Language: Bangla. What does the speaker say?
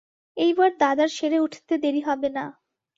এইবার দাদার সেরে উঠতে দেরি হবে না।